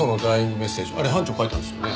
メッセージあれ班長書いたんですよね？